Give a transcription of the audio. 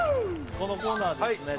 このコーナーですね